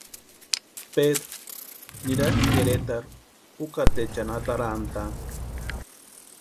Pedru nirasti Queretarhu ukateechani atarantʼaani.